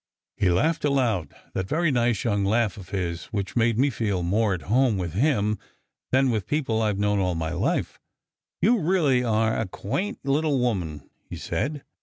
He laughed aloud, that very nice, young laugh of his, which made me feel more at home with him than with people I d known all my life. "You really are a quaint little woman," he said.